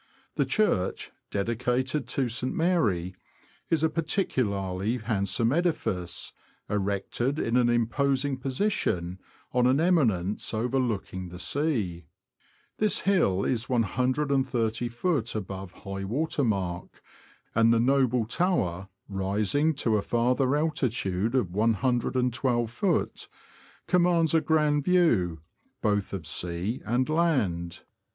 The church, dedicated to St. Mary, is a particularly handsome edifice, erected in an imposing position, on an eminence overlooking the sea. This hill is 130ft. above high water mark, and the noble tower, rising to a farther altitude of 112ft., commands a grand view", both of sea and land.